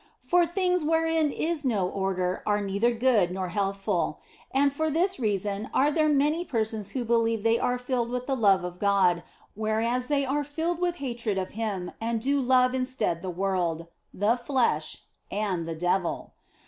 For things wherein is no order are neither good nor healthful ; and for this reason are there many persons who believe they are filled with the love of God, whereas they are filled with hatred of Him and do love instead the world, the flesh, and the devil.